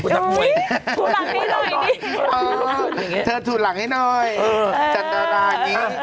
มาออกกันได้มั้ย